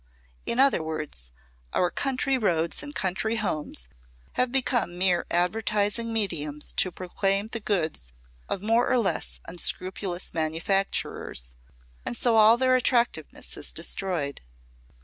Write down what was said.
In other words, our country roads and country homes have become mere advertising mediums to proclaim the goods of more or less unscrupulous manufacturers, and so all their attractiveness is destroyed.